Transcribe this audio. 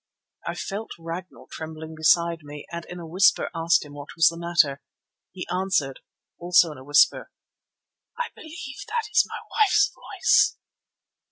I felt Ragnall trembling beside me and in a whisper asked him what was the matter. He answered, also in a whisper: "I believe that is my wife's voice."